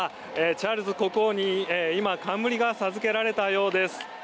チャールズ国王に今、冠が授けられたようです。